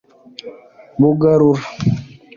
Bugarura